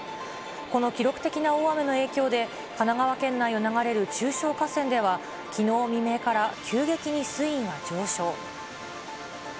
この記録的な大雨の影響で、神奈川県内を流れる中小河川では、きのう未明から急激に水位が上昇。